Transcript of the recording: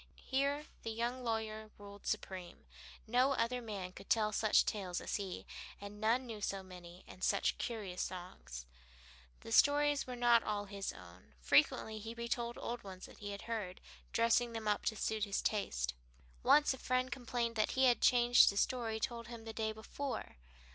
Here the young lawyer ruled supreme. No other man could tell such tales as he, and none knew so many and such curious songs. The stories were not all his own; frequently he retold old ones that he had heard, dressing them up to suit his taste. Once a friend complained that he had changed a story told him the day before.